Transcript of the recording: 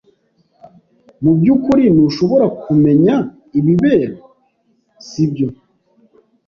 Mubyukuri ntushobora kumenya ibibera, sibyo?